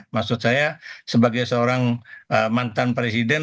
maksud saya sebagai seorang mantan presiden